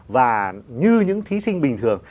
và như những thí sinh bình thường